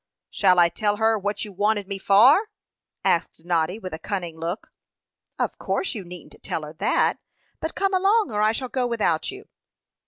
"Shall I tell her what you wanted me for?" asked Noddy, with a cunning look. "Of course you needn't tell her that. But come along, or I shall go without you."